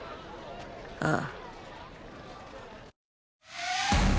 ああ。